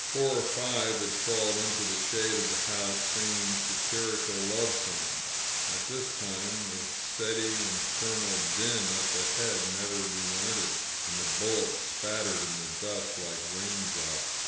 Four or five had crawled into the shade of the house, singing satirical love songs. All this time the steady infernal din up ahead never re lented, and the bullets spattered in the dust like rain drops.